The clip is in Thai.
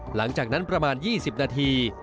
หลังจากนั้นประมาณ๒๐นาที